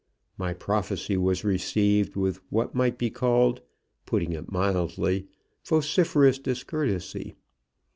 My prophecy was received with what might be called putting it mildly vociferous discourtesy.